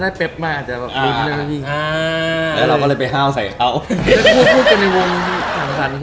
พูดไปในวงที่สั่งสรรค์